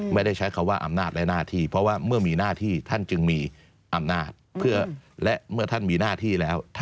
ไม่ได้ใช้คำว่าอำนาจและหน้าที่